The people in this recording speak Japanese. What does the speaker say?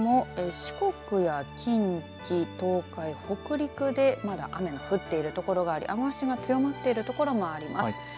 この時間も四国や近畿東海、北陸でまだ雨が降っている所があり雨足が強まっている所もあります。